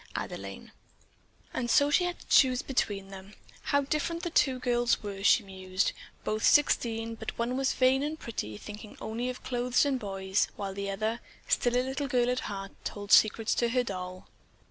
"Adelaine." And so she had to choose between them. How different the two girls were, she mused. Both sixteen, but one was vain and pretty, thinking only of clothes and boys, while the other, still a little girl at heart, told secrets to her doll.